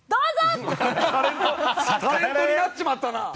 タレントになっちまったな！